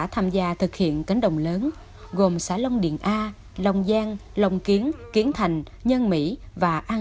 phẩm thực hiện cánh đồng lớn gồm xã long điện a long giang long kiến kiến thành nhân mỹ và an